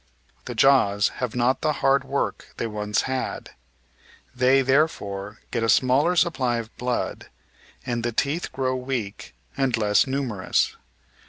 The jaws have not the hard work they once had ; they therefore get a smaller supply of blood, and the teeth grow weak and less numerous.